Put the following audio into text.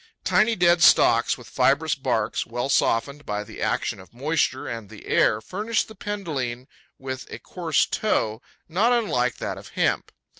Tiny dead stalks, with fibrous barks, well softened by the action of moisture and the air, furnish the Penduline with a coarse tow, not unlike that of hemp.